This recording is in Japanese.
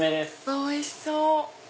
おいしそう！